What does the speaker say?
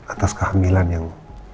atas kehamilan yang